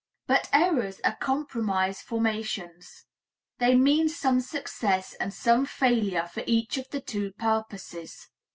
But errors are compromise formations. They mean some success and some failure for each of the two purposes.